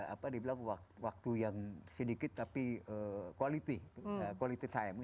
apa dibilang waktu yang sedikit tapi quality quality time